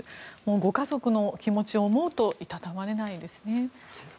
ご家族の気持ちを思うといたたまれないですね。